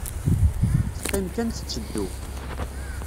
Teqqim kan tetteddu.